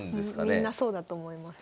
みんなそうだと思います。